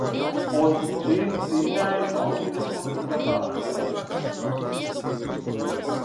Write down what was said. Од чист инатет отидов од другата страна.